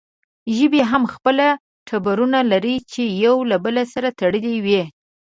ژبې هم خپل ټبرونه لري چې يو بل سره تړلې وي